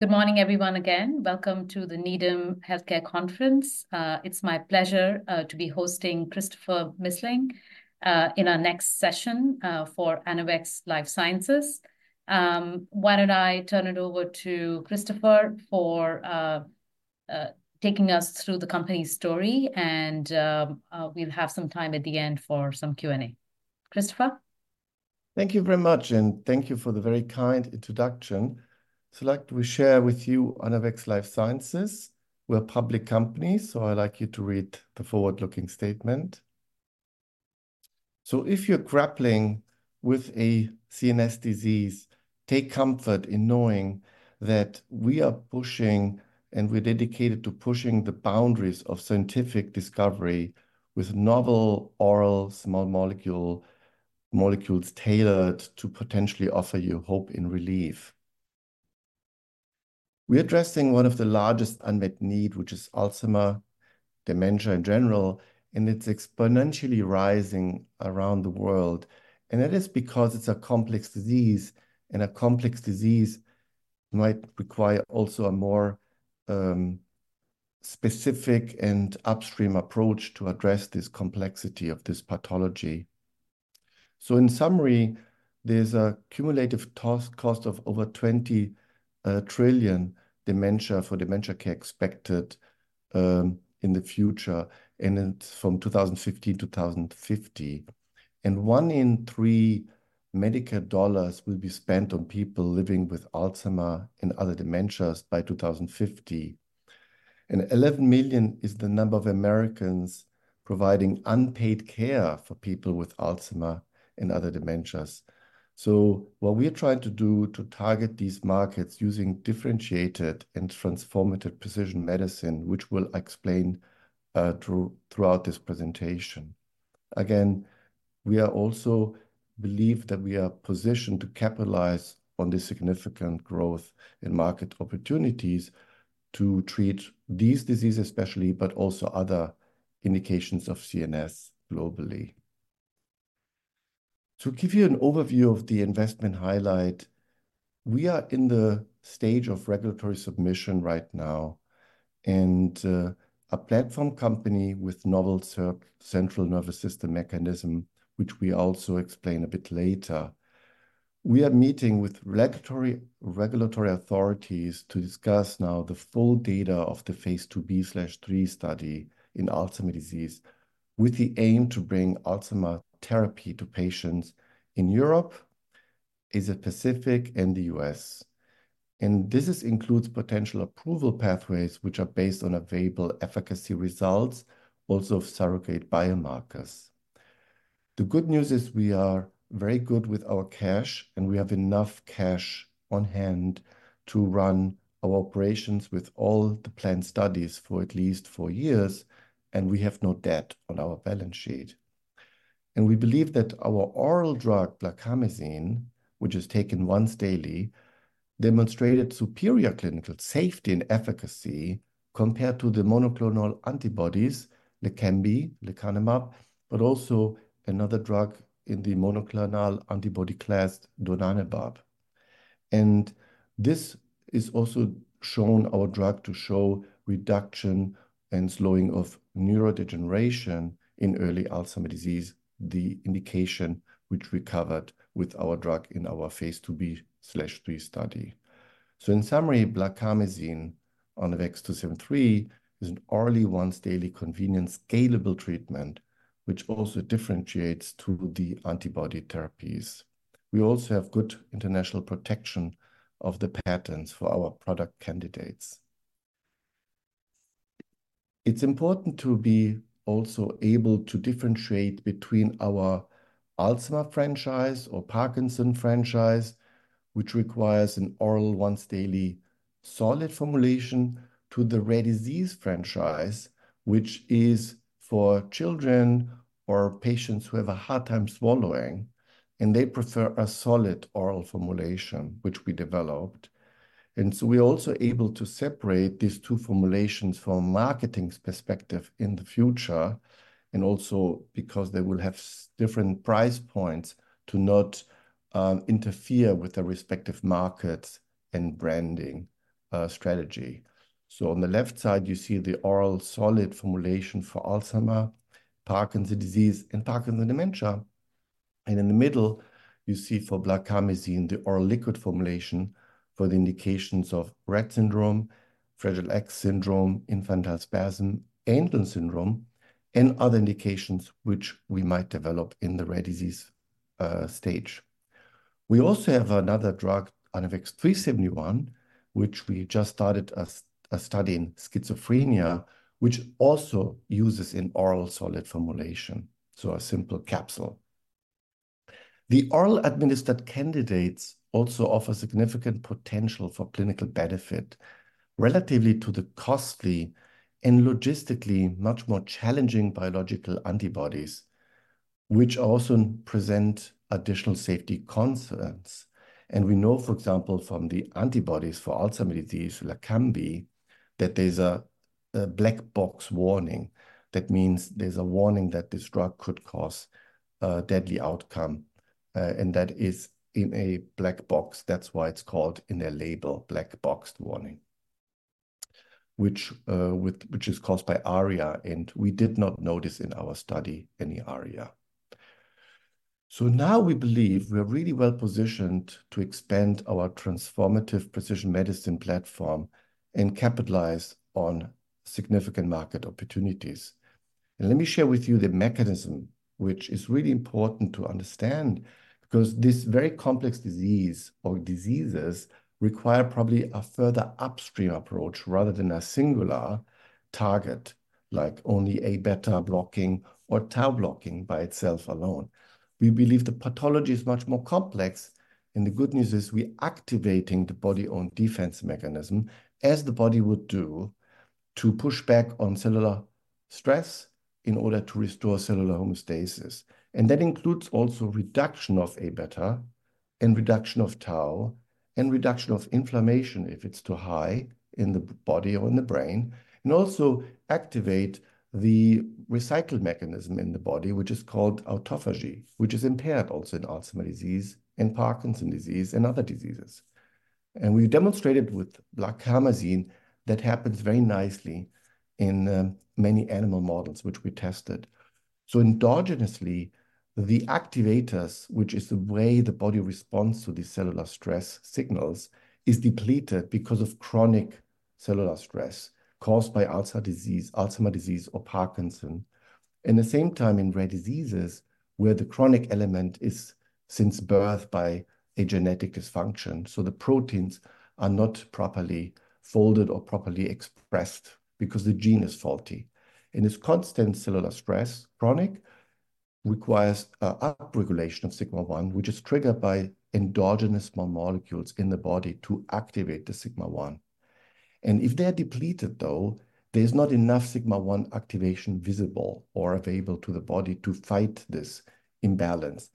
Good morning, everyone, again. Welcome to the Needham Healthcare Conference. It's my pleasure to be hosting Christopher Missling in our next session for Anavex Life Sciences. Why don't I turn it over to Christopher for taking us through the company's story, and we'll have some time at the end for some Q&A. Christopher? Thank you very much, and thank you for the very kind introduction. So, like, we share with you Anavex Life Sciences. We're a public company, so I'd like you to read the forward-looking statement. So if you're grappling with a CNS disease, take comfort in knowing that we are pushing, and we're dedicated to pushing the boundaries of scientific discovery with novel oral small molecules tailored to potentially offer you hope and relief. We're addressing one of the largest unmet needs, which is Alzheimer's, dementia in general, and it's exponentially rising around the world. And that is because it's a complex disease, and a complex disease might require also a more, specific and upstream approach to address this complexity of this pathology. So in summary, there's a cumulative cost of over $20 trillion for dementia care expected in the future, and it's from 2015 to 2050. 1 in 3 Medicare dollars will be spent on people living with Alzheimer's and other dementias by 2050. 11 million is the number of Americans providing unpaid care for people with Alzheimer's and other dementias. What we're trying to do to target these markets using differentiated and transformative precision medicine, which we'll explain, throughout this presentation. Again, we also believe that we are positioned to capitalize on this significant growth in market opportunities to treat these diseases especially, but also other indications of CNS globally. To give you an overview of the investment highlight, we are in the stage of regulatory submission right now, a platform company with novel central nervous system mechanisms, which we also explain a bit later. We are meeting with regulatory authorities to discuss now the full data of the phase II-B/III study in Alzheimer's disease. With the aim to bring Alzheimer's therapy to patients in Europe, Asia Pacific, and the U.S. This includes potential approval pathways, which are based on available efficacy results, also of surrogate biomarkers. The good news is we are very good with our cash, and we have enough cash on hand to run our operations with all the planned studies for at least four years. We have no debt on our balance sheet. We believe that our oral drug, blarcamesine, which is taken once daily, demonstrated superior clinical safety and efficacy compared to the monoclonal antibodies, lecanemab, but also another drug in the monoclonal antibody class, donanemab. This is also shown our drug to show reduction and slowing of neurodegeneration in early Alzheimer's disease, the indication which we covered with our drug in our phase II-B/III study. So in summary, blarcamesine, ANAVEX 2-73, is an orally, once daily, convenient, scalable treatment, which also differentiates to the antibody therapies. We also have good international protection of the patents for our product candidates. It's important to be also able to differentiate between our Alzheimer's franchise or Parkinson's franchise, which requires an oral, once daily, solid formulation, to the rare disease franchise, which is for children or patients who have a hard time swallowing. And they prefer a solid oral formulation, which we developed. And so we're also able to separate these two formulations from a marketing perspective in the future. And also because they will have different price points to not interfere with the respective markets and branding strategy. So on the left side, you see the oral solid formulation for Alzheimer's, Parkinson's disease, and Parkinson's dementia. In the middle, you see for blarcamesine the oral liquid formulation for the indications of Rett syndrome, Fragile X syndrome, infantile spasm, Angelman syndrome, and other indications which we might develop in the rare disease space. We also have another drug, ANAVEX 3-71, which we just started a study in schizophrenia, which also uses an oral solid formulation. So a simple capsule. The oral administered candidates also offer significant potential for clinical benefit relatively to the costly and logistically much more challenging biological antibodies, which also present additional safety concerns. And we know, for example, from the antibodies for Alzheimer's disease, lecanemab, that there's a black box warning. That means there's a warning that this drug could cause deadly outcome, and that is in a black box. That's why it's called in their label black box warning. Which, which is caused by ARIA, and we did not notice in our study any ARIA. So now we believe we're really well positioned to expand our transformative precision medicine platform and capitalize on significant market opportunities. Let me share with you the mechanism, which is really important to understand, because this very complex disease or diseases require probably a further upstream approach rather than a singular target, like only A-beta blocking or tau blocking by itself alone. We believe the pathology is much more complex. The good news is we're activating the body-owned defense mechanism, as the body would do, to push back on cellular stress in order to restore cellular homeostasis. That includes also reduction of A-beta. Reduction of tau and reduction of inflammation, if it's too high in the body or in the brain, and also activate the recycle mechanism in the body, which is called autophagy, which is impaired also in Alzheimer's disease and Parkinson's disease and other diseases. We've demonstrated with blarcamesine that happens very nicely in many animal models which we tested. Endogenously, the activators, which is the way the body responds to these cellular stress signals, is depleted because of chronic cellular stress caused by Alzheimer's disease, Alzheimer's disease, or Parkinson's. At the same time, in rare diseases, where the chronic element is since birth by a genetic dysfunction, so the proteins are not properly folded or properly expressed because the gene is faulty. It's constant cellular stress, chronic. Requires an upregulation of sigma-1, which is triggered by endogenous small molecules in the body to activate the sigma-1. If they are depleted, though, there's not enough sigma-1 activation visible or available to the body to fight this imbalance.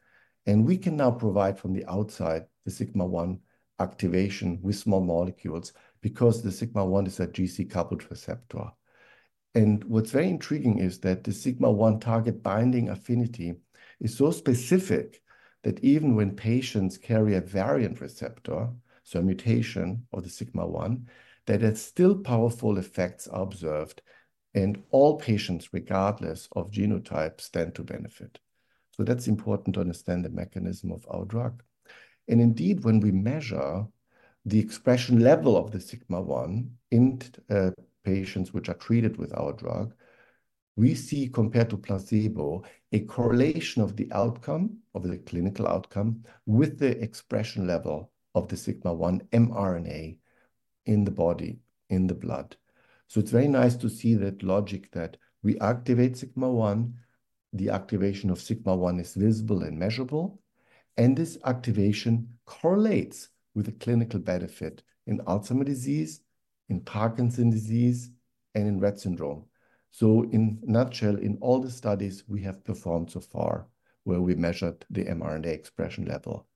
We can now provide from the outside the sigma-1 activation with small molecules, because the sigma-1 is a G-coupled receptor. What's very intriguing is that the sigma-1 target binding affinity is so specific that even when patients carry a variant receptor, so a mutation of the sigma-1, that still powerful effects are observed. All patients, regardless of genotype, stand to benefit. So that's important to understand the mechanism of our drug. And indeed, when we measure the expression level of the sigma-1 in patients which are treated with our drug, we see, compared to placebo, a correlation of the outcome of the clinical outcome with the expression level of the sigma-1 mRNA in the body, in the blood. So it's very nice to see that logic that we activate sigma-1. The activation of sigma-1 is visible and measurable. And this activation correlates with the clinical benefit in Alzheimer's disease, in Parkinson's disease, and in Rett syndrome. So in a nutshell, in all the studies we have performed so far where we measured the mRNA expression level.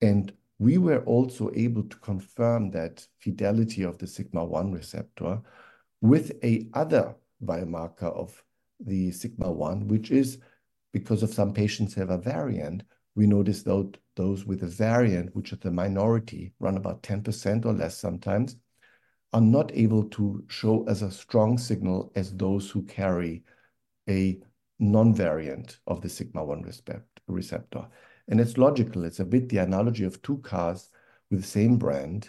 And we were also able to confirm that fidelity of the sigma-1 receptor with another biomarker of the sigma-1, which is because some patients have a variant. We noticed, though, those with a variant, which are the minority, run about 10% or less sometimes. They are not able to show as a strong signal as those who carry a non-variant of the sigma-1 receptor. And it's logical. It's a bit the analogy of two cars with the same brand.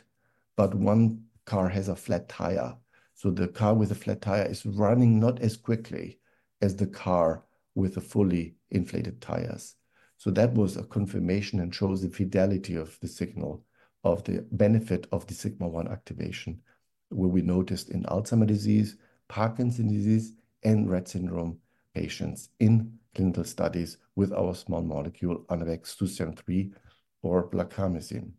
But one car has a flat tire. So the car with a flat tire is running not as quickly as the car with fully inflated tires. So that was a confirmation and shows the fidelity of the signal of the benefit of the sigma-1 activation. We noticed in Alzheimer's disease, Parkinson's disease, and Rett syndrome patients in clinical studies with our small molecule, ANAVEX 2-73, or blarcamesine.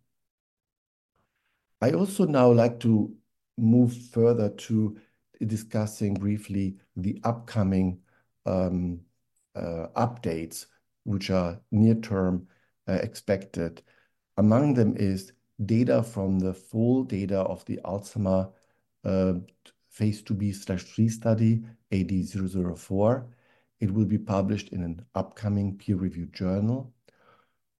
I also now like to move further to discussing briefly the upcoming updates, which are near term, expected. Among them is data from the full data of the Alzheimer's phase II-B/III study, AD-004. It will be published in an upcoming peer-reviewed journal.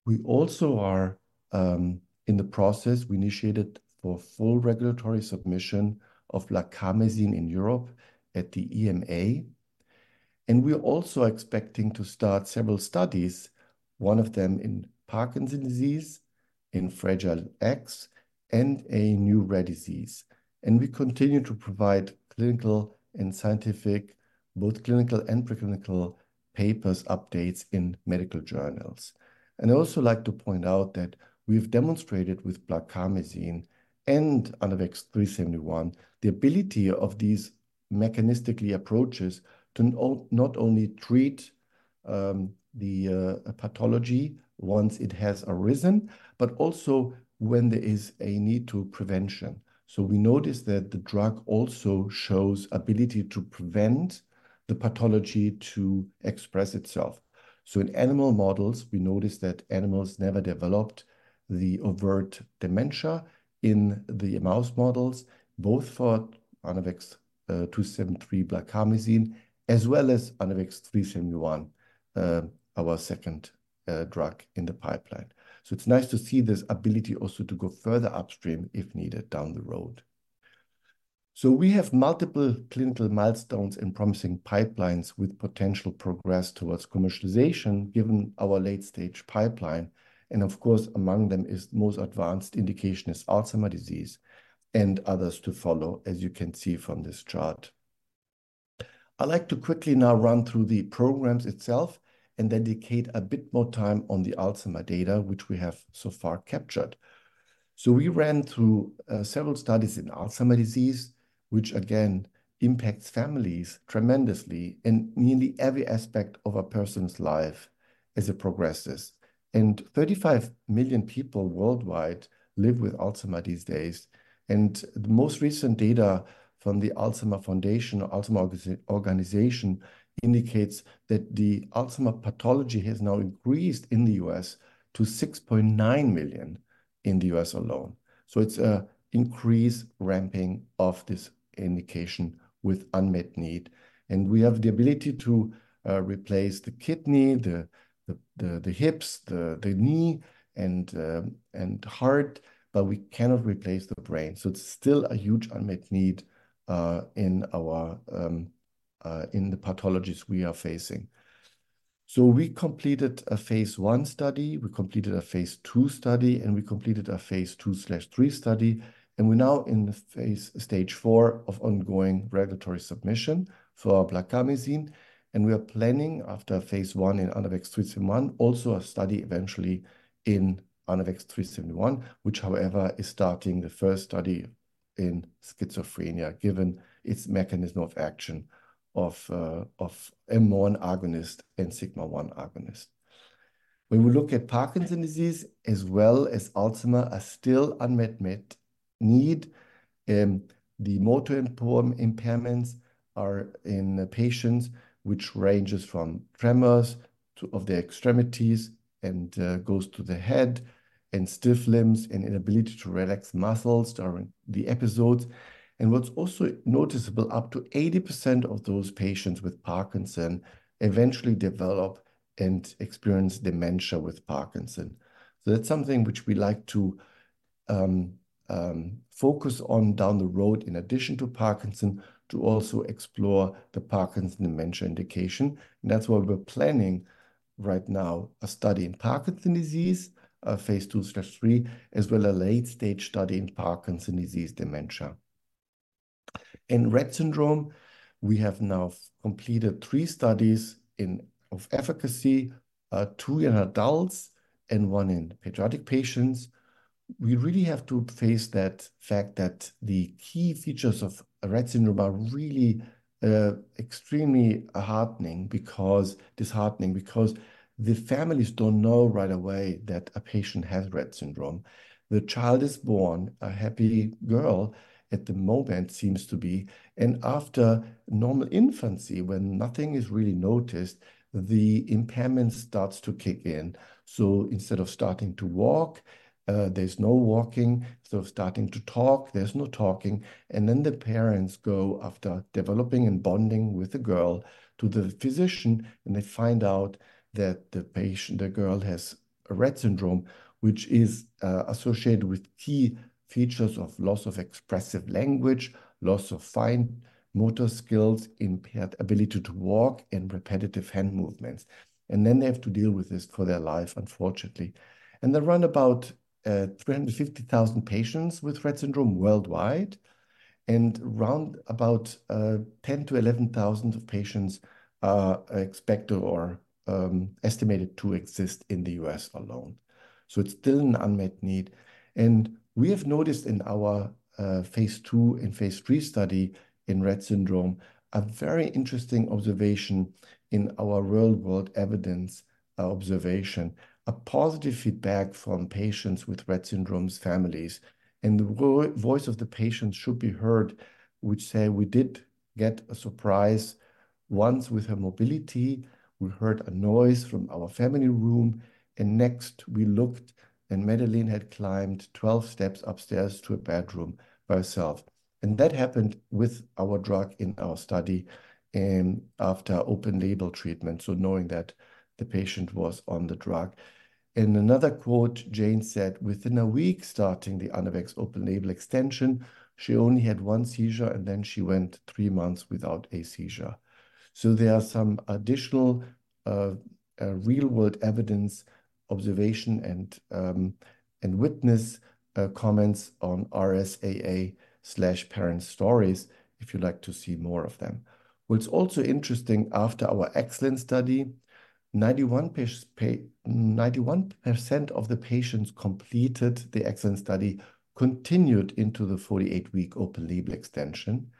We also are in the process. We initiated for full regulatory submission of blarcamesine in Europe at the EMA. We're also expecting to start several studies, one of them in Parkinson's disease, in Fragile X, and a new rare disease. We continue to provide clinical and scientific, both clinical and preclinical papers updates in medical journals. I also like to point out that we've demonstrated with blarcamesine and ANAVEX 3-71 the ability of these mechanistic approaches to not only treat the pathology once it has arisen, but also when there is a need for prevention. So we noticed that the drug also shows the ability to prevent the pathology to express itself. So in animal models, we noticed that animals never developed the overt dementia in the mouse models, both for ANAVEX 2-73, blarcamesine, as well as ANAVEX 3-71, our second drug in the pipeline. So it's nice to see this ability also to go further upstream, if needed, down the road. So we have multiple clinical milestones and promising pipelines with potential progress towards commercialization, given our late-stage pipeline. And of course, among them is the most advanced indication is Alzheimer's disease. And others to follow, as you can see from this chart. I like to quickly now run through the programs itself and dedicate a bit more time on the Alzheimer's data, which we have so far captured. So we ran through several studies in Alzheimer's disease, which again impacts families tremendously in nearly every aspect of a person's life as it progresses. 35 million people worldwide live with Alzheimer's these days. The most recent data from the Alzheimer's Association indicates that the Alzheimer's pathology has now increased in the U.S. to 6.9 million in the U.S. alone. So it's an increase ramping of this indication with unmet need. We have the ability to replace the kidney, the hips, the knee, and heart, but we cannot replace the brain. So it's still a huge unmet need in the pathologies we are facing. We completed a phase I study. We completed a phase II study, and we completed a phase II/III study. We're now in the stage 4 of ongoing regulatory submission for blarcamesine. We are planning, after phase I in ANAVEX 3-71, also a study eventually in ANAVEX 3-71, which, however, is starting the first study in schizophrenia, given its mechanism of action of M1 agonist and sigma-1 agonist. When we look at Parkinson's disease as well as Alzheimer's, are still unmet need. The motor impairments are in patients which ranges from tremors to of their extremities and goes to the head and stiff limbs and inability to relax muscles during the episodes. And what's also noticeable, up to 80% of those patients with Parkinson's eventually develop and experience dementia with Parkinson's. So that's something which we like to focus on down the road in addition to Parkinson's, to also explore the Parkinson's dementia indication. And that's why we're planning right now a study in Parkinson's disease, a phase II/III, as well as a late-stage study in Parkinson's disease dementia. In Rett syndrome, we have now completed threee studies of efficacy, two in adults and one in pediatric patients. We really have to face that fact that the key features of Rett syndrome are really, extremely heartbreaking, because this heartbreaking, because the families don't know right away that a patient has Rett syndrome. The child is born a happy girl at the moment, seems to be, and after normal infancy, when nothing is really noticed, the impairment starts to kick in. So instead of starting to walk, there's no walking. So starting to talk, there's no talking. And then the parents go, after developing and bonding with the girl, to the physician, and they find out that the patient, the girl, has Rett syndrome, which is, associated with key features of loss of expressive language, loss of fine motor skills, impaired ability to walk, and repetitive hand movements. Then they have to deal with this for their life, unfortunately. They run about 350,000 patients with Rett syndrome worldwide. Round about 10,000 to 11,000 patients are expected or estimated to exist in the U.S alone. So it's still an unmet need. We have noticed in our phase II and phase III study in Rett syndrome a very interesting observation in our real-world evidence, a positive feedback from patients with Rett syndrome's families. The voice of the patients should be heard, which say, "We did get a surprise. Once with her mobility, we heard a noise from our family room. Next we looked, and Madeline had climbed 12 steps upstairs to a bedroom by herself." That happened with our drug in our study, after open label treatment. So knowing that the patient was on the drug. Another quote Jane said, "Within a week starting the Anavex open-label extension, she only had one seizure, and then she went three months without a seizure." So there are some additional, real-world evidence observation and witness comments on RSAA/parents' stories if you'd like to see more of them. What's also interesting, after our EXCELLENCE study, 91% of the patients completed the EXCELLENCE study continued into the 48-week open-label extension.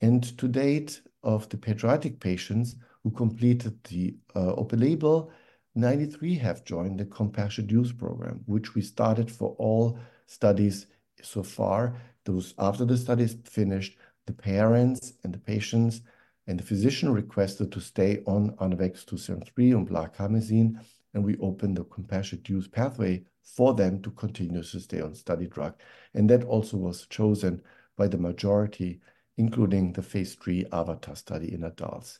And to date of the pediatric patients who completed the open label, 93 have joined the Compassionate Use program, which we started for all studies so far. Those, after the studies finished, the parents and the patients and the physician requested to stay on ANAVEX 2-73 and blarcamesine, and we opened the Compassionate Use pathway for them to continue to stay on study drug. That also was chosen by the majority, including the phase III AVATAR study in adults.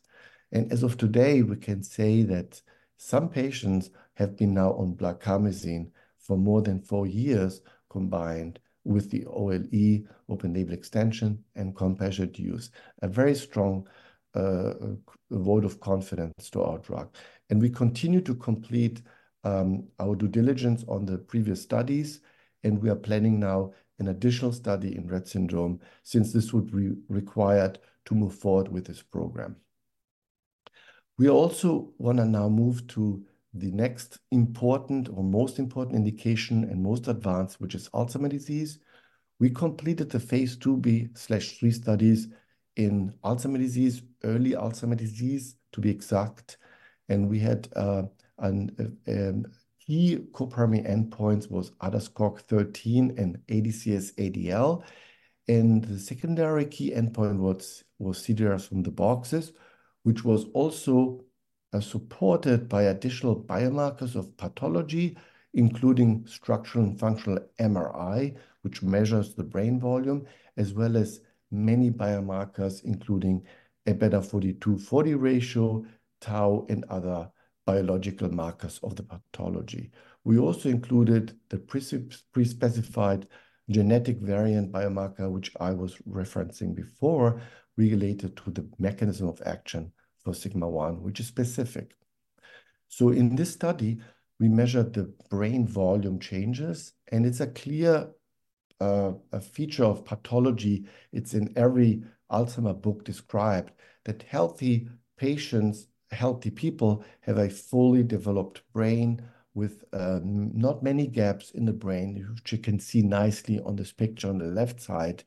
And as of today, we can say that some patients have been now on blarcamesine for more than four years, combined with the OLE open label extension and Compassionate Use, a very strong vote of confidence to our drug. And we continue to complete our due diligence on the previous studies. And we are planning now an additional study in Rett syndrome, since this would require to move forward with this program. We also want to now move to the next important or most important indication and most advanced, which is Alzheimer's disease. We completed the phase II-B/III studies in Alzheimer's disease, early Alzheimer's disease, to be exact. And we had key co-primary endpoints was ADAS-Cog13 and ADCS-ADL. The secondary key endpoint was CDR-SB, which was also supported by additional biomarkers of pathology, including structural and functional MRI, which measures the brain volume, as well as many biomarkers, including Aβ42/40 ratio, tau, and other biological markers of the pathology. We also included the prespecified genetic variant biomarker, which I was referencing before, related to the mechanism of action for sigma-1, which is specific. So in this study, we measured the brain volume changes, and it's a clear feature of pathology. It's in every Alzheimer's book described that healthy patients, healthy people, have a fully developed brain with not many gaps in the brain, which you can see nicely on this picture on the left side.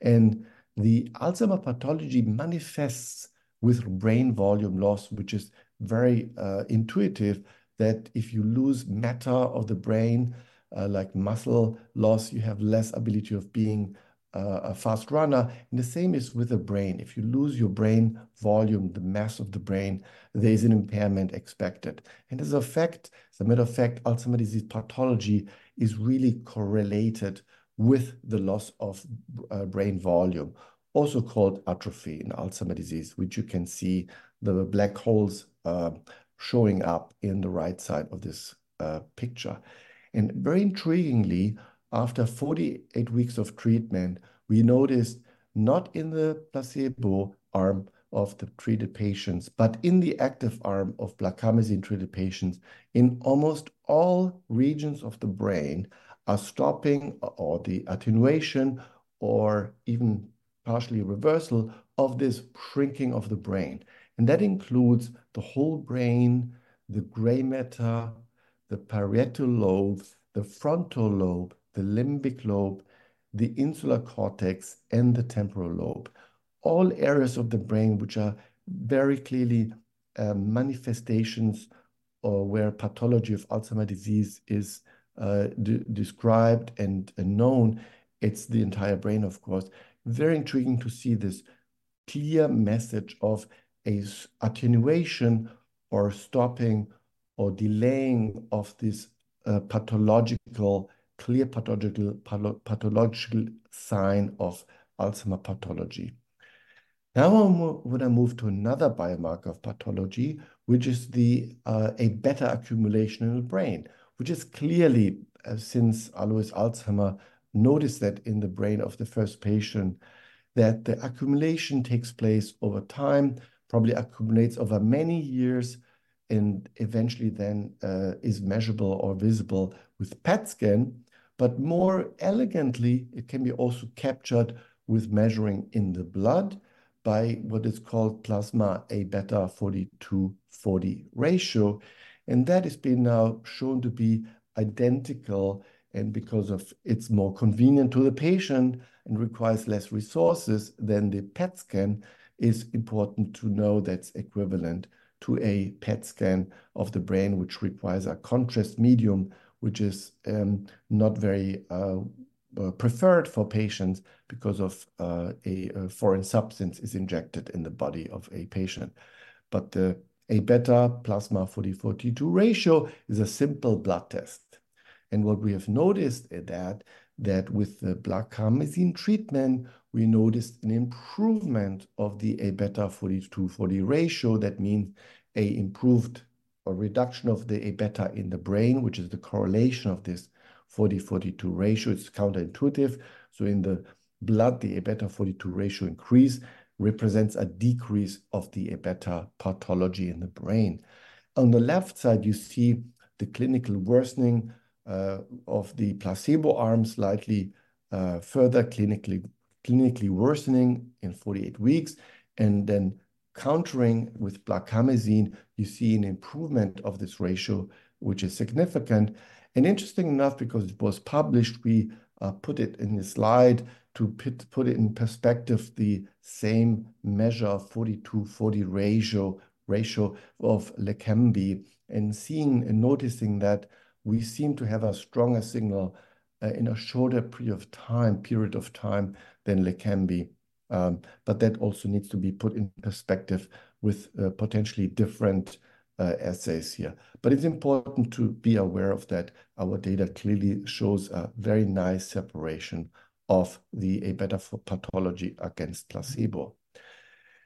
And the Alzheimer's pathology manifests with brain volume loss, which is very intuitive, that if you lose matter of the brain, like muscle loss, you have less ability of being a fast runner. And the same is with the brain. If you lose your brain volume, the mass of the brain, there is an impairment expected. And as a matter of fact, Alzheimer's disease pathology is really correlated with the loss of brain volume, also called atrophy in Alzheimer's disease, which you can see the black holes showing up in the right side of this picture. And very intriguingly, after 48 weeks of treatment, we noticed not in the placebo arm of the treated patients, but in the active arm of blarcamesine treated patients, in almost all regions of the brain, are stopping or the attenuation or even partially reversal of this shrinking of the brain. And that includes the whole brain, the gray matter, the parietal lobe, the frontal lobe, the limbic lobe, the insular cortex, and the temporal lobe. All areas of the brain which are very clearly manifestations where pathology of Alzheimer's disease is described and known. It's the entire brain, of course. Very intriguing to see this clear message of an attenuation or stopping or delaying of this pathological clear pathological sign of Alzheimer's pathology. Now I want to move to another biomarker of pathology, which is the amyloid beta accumulation in the brain, which is clearly since Alois Alzheimer noticed that in the brain of the first patient, that the accumulation takes place over time, probably accumulates over many years, and eventually then is measurable or visible with PET scan. But more elegantly, it can be also captured with measuring in the blood by what is called plasma Aβ42/40 ratio. And that has been now shown to be identical. And because it's more convenient to the patient and requires less resources than the PET scan, it's important to know that's equivalent to a PET scan of the brain, which requires a contrast medium, which is not very preferred for patients because of a foreign substance is injected in the body of a patient. But the Aβ plasma 40/42 ratio is a simple blood test. And what we have noticed is that with the blarcamesine treatment, we noticed an improvement of the Aβ42/40 ratio. That means an improved or reduction of the Aβ in the brain, which is the correlation of this 40/42 ratio. It's counterintuitive. So in the blood, the Aβ42/40 ratio increase represents a decrease of the Aβ pathology in the brain. On the left side, you see the clinical worsening of the placebo arm slightly, further clinically worsening in 48 weeks. And then countering with blarcamesine, you see an improvement of this ratio, which is significant. And interesting enough, because it was published, we put it in this slide to put it in perspective, the same measure, 42/40 ratio of Leqembi, and seeing and noticing that we seem to have a stronger signal in a shorter period of time than Leqembi. But that also needs to be put in perspective with potentially different assays here. But it's important to be aware of that our data clearly shows a very nice separation of the Aβ pathology against placebo.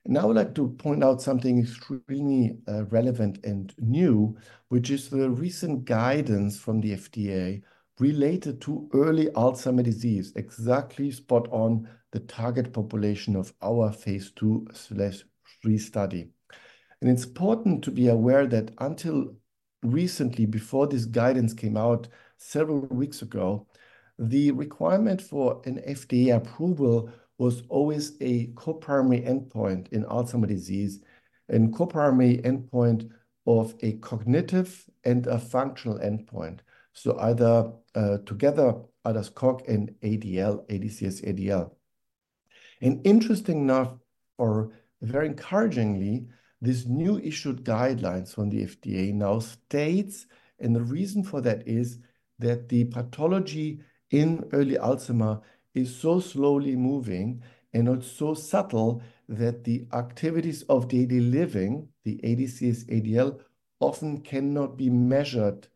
And now I would like to point out something extremely relevant and new, which is the recent guidance from the FDA related to early Alzheimer's disease, exactly spot on the target population of our phase II/III study. And it's important to be aware that until recently, before this guidance came out several weeks ago, the requirement for an FDA approval was always a co-primary endpoint in Alzheimer's disease, and co-primary endpoint of a cognitive and a functional endpoint. So either, together, ADAS-Cog and ADCS-ADL. And interesting enough, or very encouragingly, this new issued guidelines from the FDA now states, and the reason for that is that the pathology in early Alzheimer's is so slowly moving, and it's so subtle that the activities of daily living, the ADCS-ADL, often cannot be measured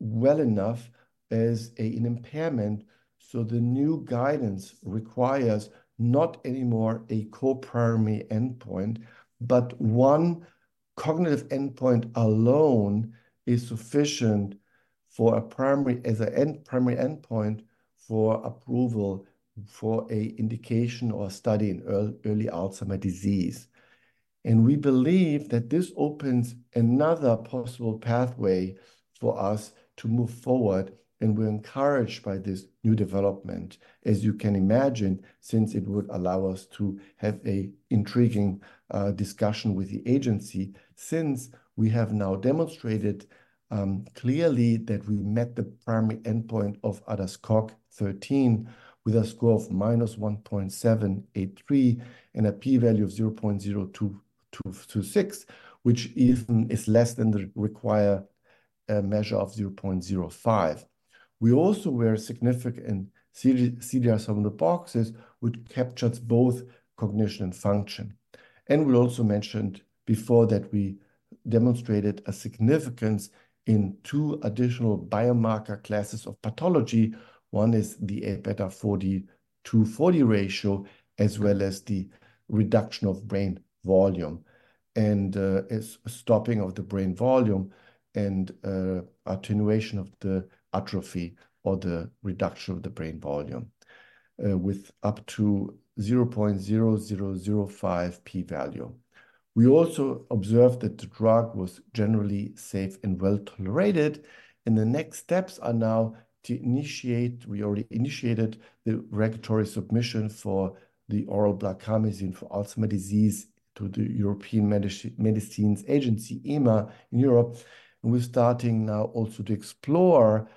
well enough as an impairment. So the new guidance requires not anymore a co-primary endpoint, but one cognitive endpoint alone is sufficient for a primary endpoint for approval for an indication or a study in early Alzheimer's disease. We believe that this opens another possible pathway for us to move forward. And we're encouraged by this new development, as you can imagine, since it would allow us to have an intriguing discussion with the agency, since we have now demonstrated clearly that we met the primary endpoint of ADAS-Cog13 with a score of minus 1.783 and a p-value of 0.0226, which even is less than the required measure of 0.05. We also were significant CDR-SB, which captured both cognition and function. And we also mentioned before that we demonstrated a significance in two additional biomarker classes of pathology. One is the Aβ 42/40 ratio, as well as the reduction of brain volume and stopping of the brain volume and attenuation of the atrophy or the reduction of the brain volume, with up to 0.0005 p-value. We also observed that the drug was generally safe and well tolerated. The next steps are now to initiate. We already initiated the regulatory submission for the oral blarcamesine for Alzheimer's disease to the European Medicines Agency, EMA, in Europe. We're starting now also to explore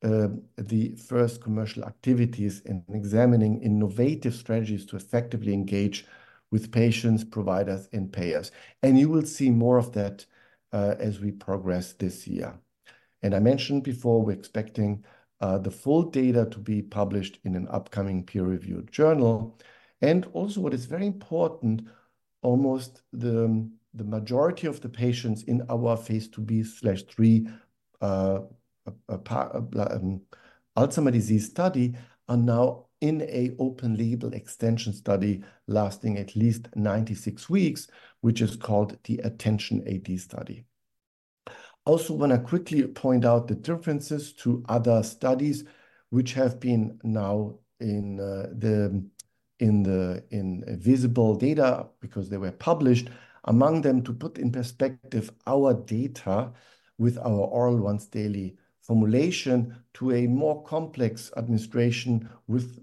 the first commercial activities and examining innovative strategies to effectively engage with patients, providers, and payers. You will see more of that, as we progress this year. I mentioned before, we're expecting the full data to be published in an upcoming peer-reviewed journal. Also, what is very important, almost the majority of the patients in our phase II-B/III Alzheimer's disease study are now in an open-label extension study lasting at least 96 weeks, which is called the ATTENTION-AD study. Also, I want to quickly point out the differences to other studies which have been now in the visible data because they were published, among them to put in perspective our data with our oral once daily formulation to a more complex administration with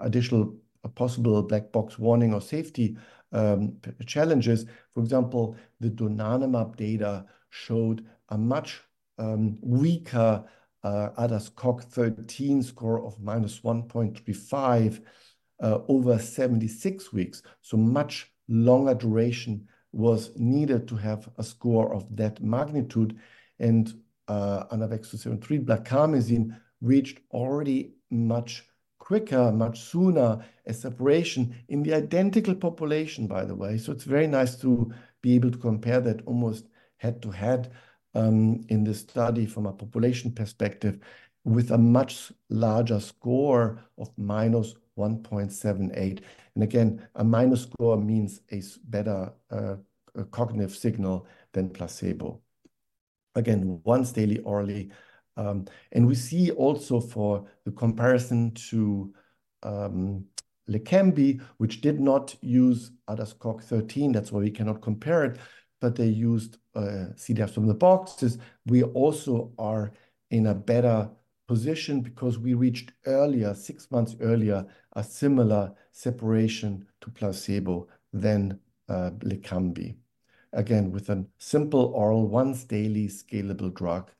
additional possible black box warning or safety challenges. For example, the donanemab data showed a much weaker ADAS-Cog13 score of -1.35 over 76 weeks. So much longer duration was needed to have a score of that magnitude. ANAVEX 2-73 blarcamesine reached already much quicker, much sooner a separation in the identical population, by the way. So it's very nice to be able to compare that almost head to head, in this study from a population perspective with a much larger score of -1.78. And again, a minor score means a better cognitive signal than placebo. Again, once daily orally. And we see also for the comparison to Leqembi, which did not use ADAS-Cog13. That's why we cannot compare it. But they used CDR-SB. We also are in a better position because we reached earlier, 6 months earlier, a similar separation to placebo than Leqembi. Again, with a simple oral once daily scalable drug.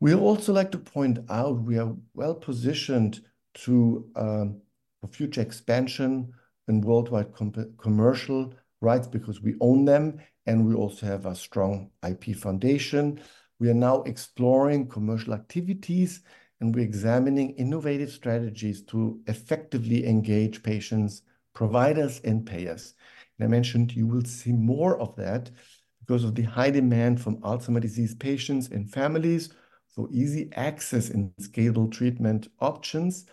We also like to point out we are well positioned to for future expansion and worldwide commercial rights because we own them and we also have a strong IP foundation. We are now exploring commercial activities and we're examining innovative strategies to effectively engage patients, providers, and payers. I mentioned you will see more of that because of the high demand from Alzheimer's disease patients and families for easy access and scalable treatment options.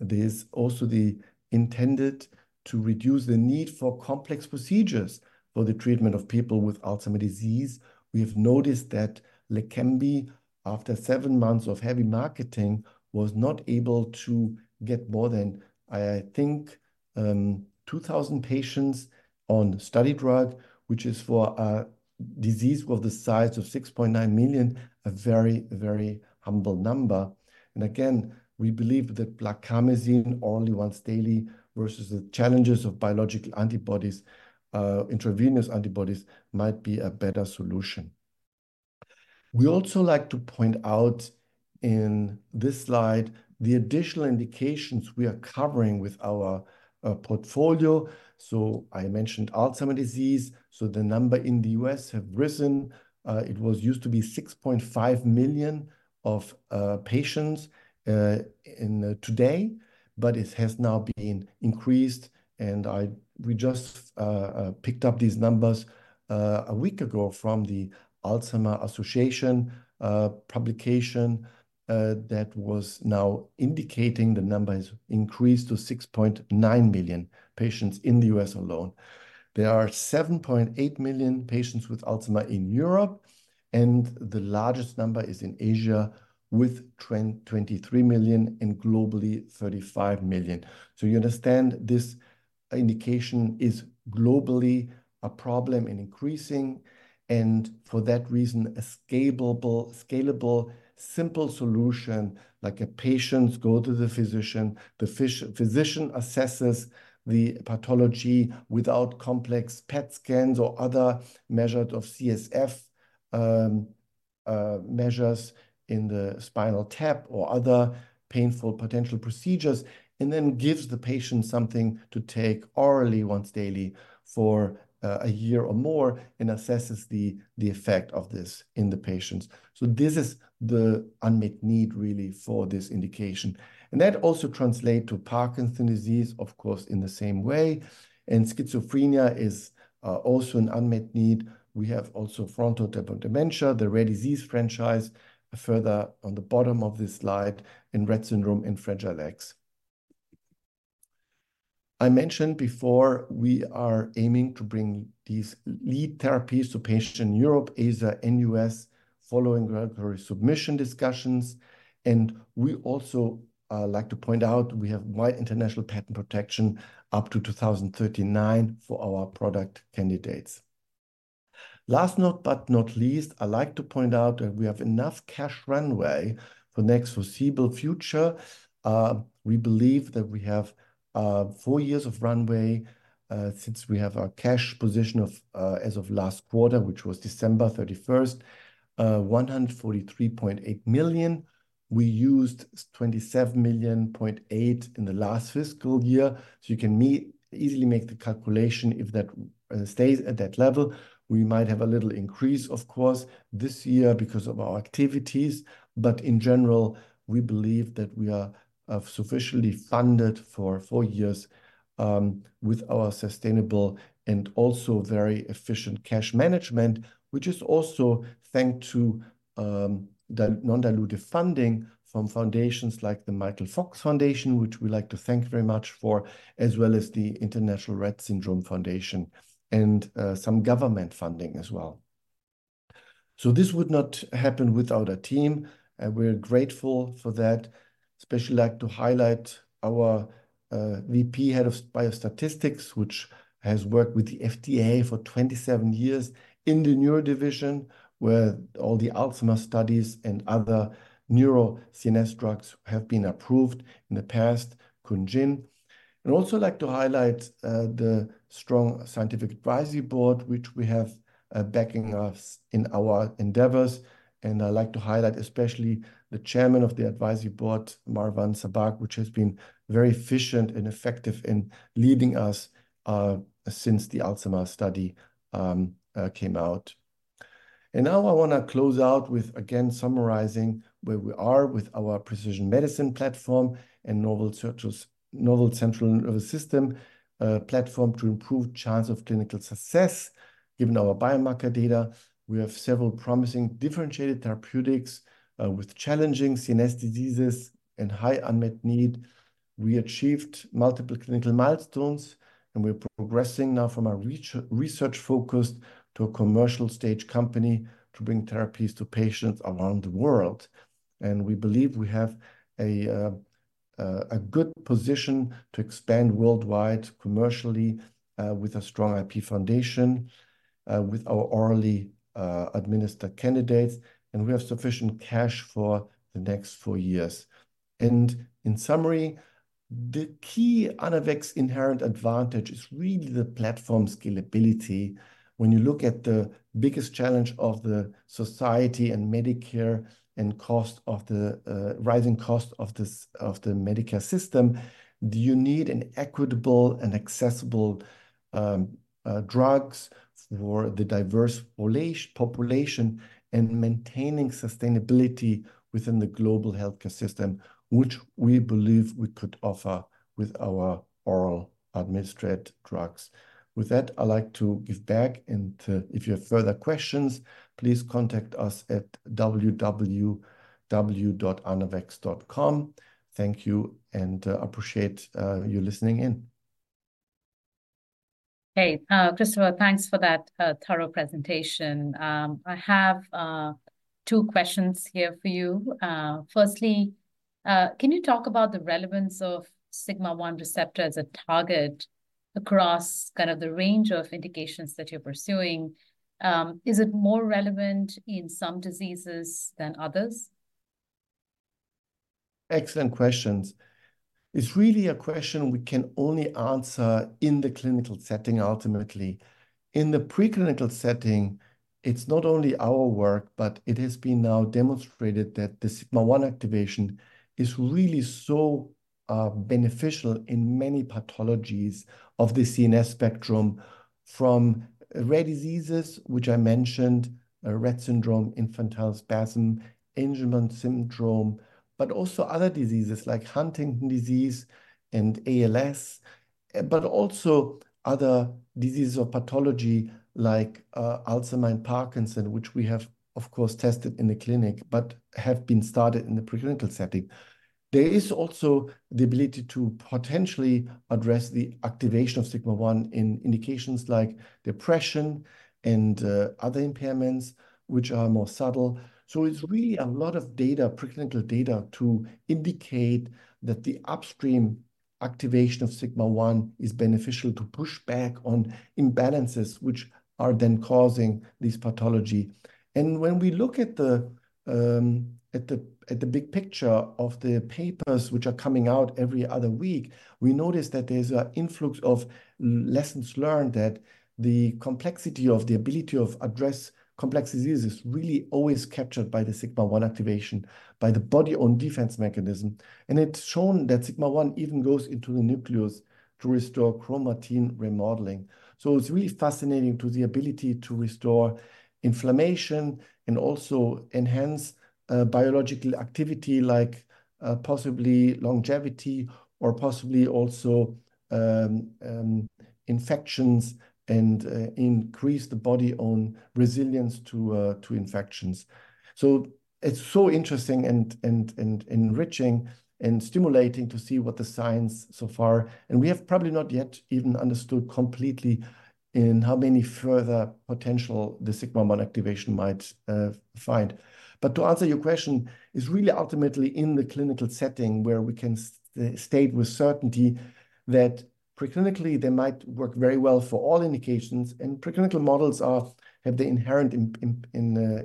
There's also the intended to reduce the need for complex procedures for the treatment of people with Alzheimer's disease. We have noticed that Leqembi, after seven months of heavy marketing, was not able to get more than, I think, 2,000 patients on study drug, which is for a disease of the size of 6.9 million, a very, very humble number. And again, we believe that blarcamesine orally once daily versus the challenges of biological antibodies, intravenous antibodies, might be a better solution. We also like to point out in this slide the additional indications we are covering with our portfolio. I mentioned Alzheimer's disease. So the number in the U.S has risen. It used to be 6.5 million patients today. But it has now been increased. And we just picked up these numbers a week ago from the Alzheimer's Association publication that was now indicating the number has increased to 6.9 million patients in the U.S alone. There are 7.8 million patients with Alzheimer's in Europe. And the largest number is in Asia with 23 million and globally 35 million. So you understand this indication is globally a problem and increasing. And for that reason, a scalable, simple solution like a patient goes to the physician, the physician assesses the pathology without complex PET scans or other measures of CSF measures in the spinal tap or other painful potential procedures, and then gives the patient something to take orally once daily for a year or more and assesses the effect of this in the patients. So this is the unmet need, really, for this indication. And that also translates to Parkinson's disease, of course, in the same way. And schizophrenia is also an unmet need. We have also frontotemporal dementia, the rare disease franchise, further on the bottom of this slide, and Rett syndrome and Fragile X. I mentioned before we are aiming to bring these lead therapies to patients in Europe, Asia, and the US following regulatory submission discussions. We also like to point out we have wide international patent protection up to 2039 for our product candidates. Last but not least, I like to point out that we have enough cash runway for the next foreseeable future. We believe that we have four years of runway, since we have our cash position of $143.8 million as of last quarter, which was December 31st. We used $27.8 million in the last fiscal year. So you can easily make the calculation if that stays at that level. We might have a little increase, of course, this year because of our activities. But in general, we believe that we are sufficiently funded for four years, with our sustainable and also very efficient cash management, which is also thanks to non-dilutive funding from foundations like the Michael Fox Foundation, which we like to thank very much for, as well as the International Rett Syndrome Foundation and some government funding as well. So this would not happen without a team. We're grateful for that. Especially like to highlight our VP, Head of Biostatistics, which has worked with the FDA for 27 years in the neuro division, where all the Alzheimer's studies and other neuro CNS drugs have been approved in the past, Kun Jin. And also like to highlight the strong Scientific Advisory Board, which we have, backing us in our endeavors. I like to highlight especially the Chairman of the advisory board, Marwan Sabbagh, which has been very efficient and effective in leading us, since the Alzheimer's study came out. Now I want to close out with, again, summarizing where we are with our precision medicine platform and novel central nervous system platform to improve chance of clinical success. Given our biomarker data, we have several promising differentiated therapeutics, with challenging CNS diseases and high unmet need. We achieved multiple clinical milestones, and we're progressing now from a research-focused to a commercial stage company to bring therapies to patients around the world. We believe we have a good position to expand worldwide commercially, with a strong IP foundation, with our orally administered candidates. We have sufficient cash for the next four years. In summary, the key Anavex inherent advantage is really the platform scalability. When you look at the biggest challenge of the society and Medicare and the rising cost of the Medicare system, you need equitable and accessible drugs for the diverse population and maintaining sustainability within the global healthcare system, which we believe we could offer with our orally administered drugs. With that, I like to give back. If you have further questions, please contact us at www.anavex.com. Thank you and appreciate your listening in. Hey, Christopher, thanks for that thorough presentation. I have two questions here for you. Firstly, can you talk about the relevance of sigma-1 receptor as a target across kind of the range of indications that you're pursuing? Is it more relevant in some diseases than others? Excellent questions. It's really a question we can only answer in the clinical setting, ultimately. In the preclinical setting, it's not only our work, but it has been now demonstrated that the sigma-1 activation is really so, beneficial in many pathologies of the CNS spectrum from rare diseases, which I mentioned, Rett syndrome, infantile spasm, Angelman syndrome, but also other diseases like Huntington disease and ALS, but also other diseases of pathology like, Alzheimer's and Parkinson's, which we have, of course, tested in the clinic, but have been started in the preclinical setting. There is also the ability to potentially address the activation of sigma-1 in indications like depression and, other impairments, which are more subtle. So it's really a lot of data, preclinical data, to indicate that the upstream activation of sigma-1 is beneficial to push back on imbalances, which are then causing this pathology. And when we look at the big picture of the papers which are coming out every other week, we notice that there's an influx of lessons learned that the complexity of the ability to address complex diseases is really always captured by the sigma-1 activation, by the body-owned defense mechanism. And it's shown that sigma-1 even goes into the nucleus to restore chromatin remodeling. So it's really fascinating to see the ability to restore inflammation and also enhance biological activity like possibly longevity or possibly also infections and increase the body-owned resilience to infections. So it's so interesting and enriching and stimulating to see what the science so far, and we have probably not yet even understood completely in how many further potential the sigma-1 activation might find. But to answer your question, it's really ultimately in the clinical setting where we can state with certainty that preclinically there might work very well for all indications and preclinical models have the inherent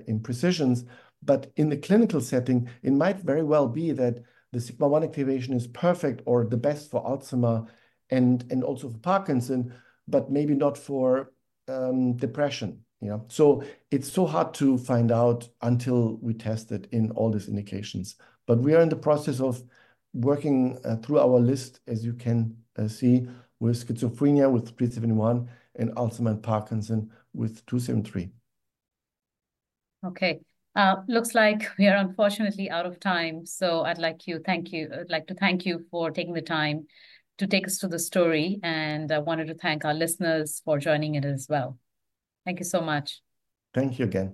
imprecisions. But in the clinical setting, it might very well be that the sigma-1 activation is perfect or the best for Alzheimer's and also for Parkinson's, but maybe not for depression. You know, so it's so hard to find out until we test it in all these indications. But we are in the process of working through our list, as you can see, with schizophrenia with 3-71 and Alzheimer's and Parkinson's with 2-73. Okay. Looks like we are unfortunately out of time. I'd like to thank you for taking the time to take us through the story. I wanted to thank our listeners for joining it as well. Thank you so much. Thank you, again.